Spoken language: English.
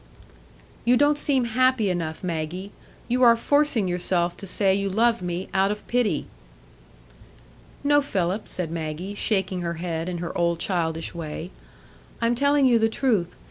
"You don't seem happy enough, Maggie; you are forcing yourself to say you love me, out of pity." "No, Philip," said Maggie, shaking her head, in her old childish way; "I'm telling you the truth.